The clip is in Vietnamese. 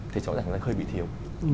thì rõ ràng nó hơi bị thiếu